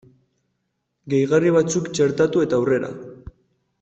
Gehigarri batzuk txertatu eta aurrera!